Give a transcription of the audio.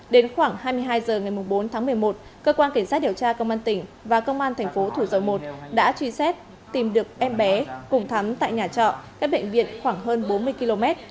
đến khoảng hai mươi hai h ngày bốn tháng một mươi một cơ quan cảnh sát điều tra công an tỉnh và công an thành phố thủ dầu một đã truy xét tìm được em bé cùng thắm tại nhà trọ cách bệnh viện khoảng hơn bốn mươi km